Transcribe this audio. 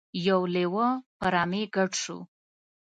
یو لیوه په رمې ګډ شو.